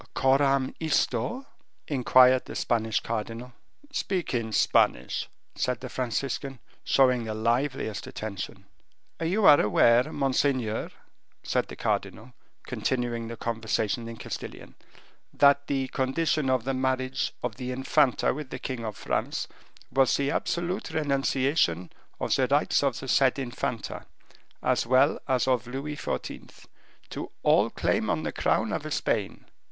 "Coram isto?" inquired the Spanish cardinal. "Speak in Spanish," said the Franciscan, showing the liveliest attention. "You are aware, monseigneur," said the cardinal, continuing the conversation in Castilian, "that the condition of the marriage of the Infanta with the king of France was the absolute renunciation of the rights of the said Infanta, as well as of King Louis XIV., to all claim to the crown of Spain."